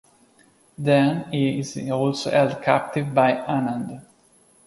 Then he is also held captive by Anand.